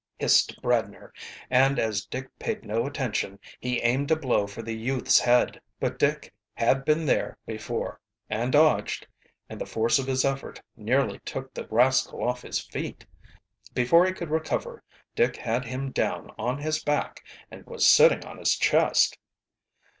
hissed Bradner, and as Dick paid no attention he aimed a blow for the youth's head. But Dick "had been there before," and dodged, and the force of his effort nearly took the rascal off his feet. Before he could recover Dick had him down on his back and was sitting on his chest.